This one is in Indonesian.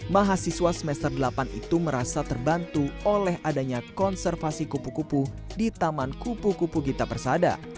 mahasiswa semester delapan itu merasa terbantu oleh adanya konservasi kupu kupu di taman kupu kupu gita persada